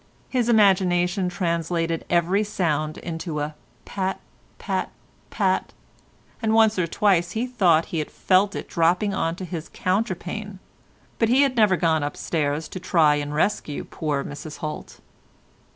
His imagination translated every sound into a pat, pat, pat, and once or twice he thought he had felt it dropping on to his counterpane, but he had never gone upstairs to try and rescue poor Mrs Holt.